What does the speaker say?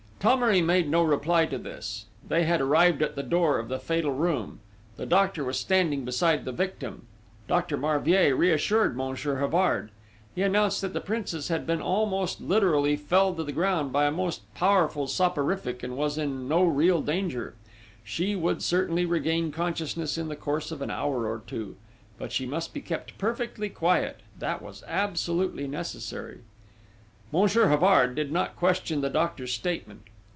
Thomery made no reply to this: they had arrived at the door of the fatal room. The doctor was standing beside the victim. Dr. Marvier reassured Monsieur Havard. He announced that the Princess had been almost literally felled to the ground by a most powerful soporific and was in no real danger: she would certainly regain consciousness in the course of an hour or two.... But she must be kept perfectly quiet: that was absolutely necessary. Monsieur Havard did not question the doctor's statement.